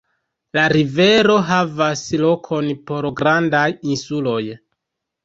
La rivero havas lokon por grandaj insuloj.